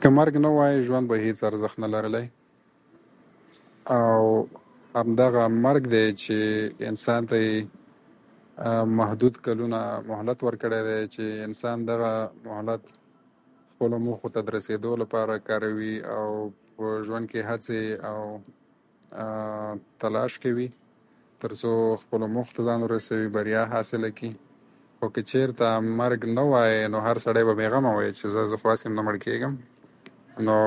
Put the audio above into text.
که مرګ نه وای، ژوند به هېڅ ارزښت نه لرلی. او همدغه مرګ دی چې انسان ته یې محدود کلونه مهلت ورکړی دی، چې انسان دغه مهلت خپلو موخو ته د رسېدو لپاره کاروي، او په ژوند کې هڅې او تلاش کوي، تر څو خپلو موخو ته ځان ورسوي، بریا حاصله کړي. او که چېرته مرګ نه وای، نو هر سړی به بېغمه وای چې زه خو هسې هم نه مړ کېږم، نو